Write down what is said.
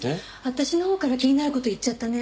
私のほうから気になる事言っちゃったね。